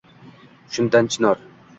Shundan chinor